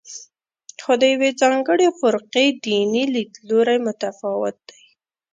خو د یوې ځانګړې فرقې دیني لیدلوری متفاوت دی.